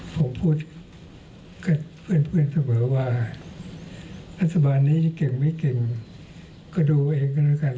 ผมพูดกับเพื่อนเสมอว่ารัฐบาลนี้จะเก่งไม่เก่งก็ดูเองก็แล้วกัน